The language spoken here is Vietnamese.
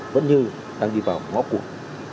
vẫn như đang đi vào ngõ cụt